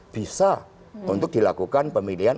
bisa untuk dilakukan pemilihan